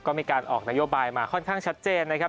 ก็มีการออกนโยบายมาค่อนข้างชัดเจนนะครับ